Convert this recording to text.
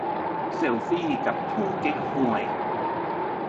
เซลฟี่กับทุ่งเก๊กฮวย